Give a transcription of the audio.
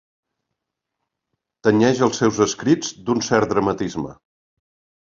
Tenyeix els seus escrits d'un cert dramatisme.